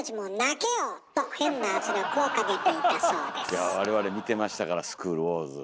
いや我々見てましたから「スクール★ウォーズ」。